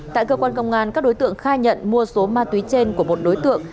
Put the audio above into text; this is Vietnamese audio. tại cơ quan công an các đối tượng khai nhận mua số ma túy trên của một đối tượng